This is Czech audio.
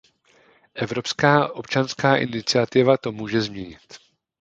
Evropská občanská iniciativa to může změnit.